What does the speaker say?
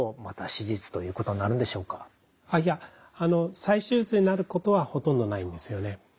いや再手術になることはほとんどないんですよね。